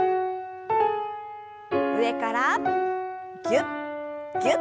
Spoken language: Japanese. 上からぎゅっぎゅっと。